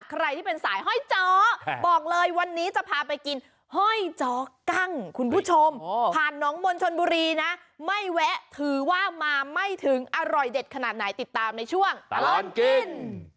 ใครที่เป็นสายห้อยจ้อบอกเลยวันนี้จะพาไปกินห้อยจอกั้งคุณผู้ชมผ่านน้องมนชนบุรีนะไม่แวะถือว่ามาไม่ถึงอร่อยเด็ดขนาดไหนติดตามในช่วงตลอดกิน